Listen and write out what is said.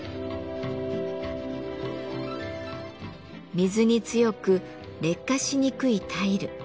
水に強く劣化しにくいタイル。